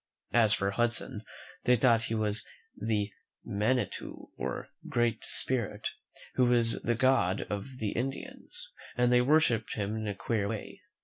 As for Hudson, they thought he was the Mani tou, or Great Spirit, who was the god of the Indians, and they worshipped him in a very queer way.